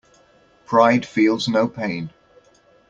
Pride feels no pain.